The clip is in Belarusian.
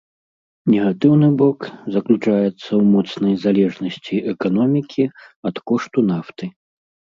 Негатыўны бок заключаецца ў моцнай залежнасці эканомікі ад кошту нафты.